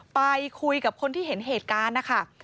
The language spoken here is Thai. ไปคุยกับคนที่เห็นเหตุการณ์นะคะ